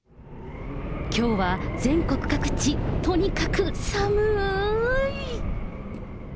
きょうは全国各地、とにかく寒ーい。